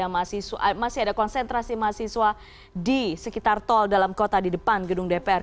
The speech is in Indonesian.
masih ada konsentrasi mahasiswa di sekitar tol dalam kota di depan gedung dpr